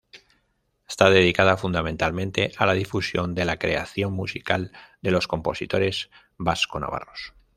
Está dedicada fundamentalmente a la difusión de la creación musical de los compositores vasco-navarros.